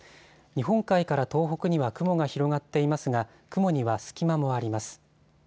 日本海から東北には雲が広がっていますが、雲には隙間もあります。